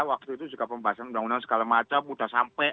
waktu itu juga pembahasan uud segala macam sudah sampai